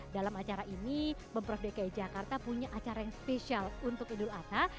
dalam acara ini pemprov dki jakarta punya acara yang spesial untuk idul adha